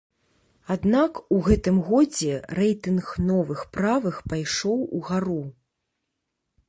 Аднак у гэтым годзе рэйтынг новых правых пайшоў угару.